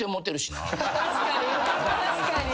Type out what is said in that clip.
確かに。